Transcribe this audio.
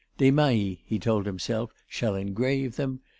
"Desmahis," he told himself, "shall engrave them.